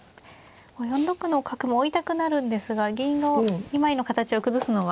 ４六の角も追いたくなるんですが銀の２枚の形を崩すのは。